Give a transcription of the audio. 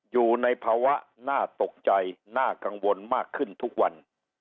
อยู่ในภาวะน่าตกใจน่ากังวลมากขึ้นทุกวัน